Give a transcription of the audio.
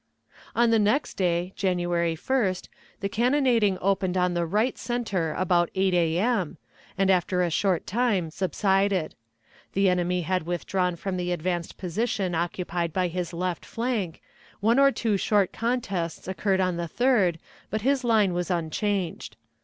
On the next day (January 1st) the cannonading opened on the right center about 8 A.M., and after a short time subsided. The enemy had withdrawn from the advanced position occupied by his left flank; one or two short contests occurred on the 3d, but his line was unchanged.